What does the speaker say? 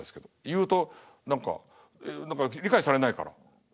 言うと何か理解されないから。